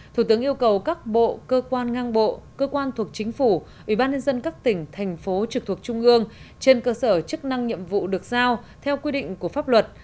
thủ tướng yêu cầu các bộ cơ quan ngang bộ cơ quan thuộc chính phủ ubnd các tỉnh thành phố trực thuộc trung ương trên cơ sở chức năng nhiệm vụ được giao theo quy định của pháp luật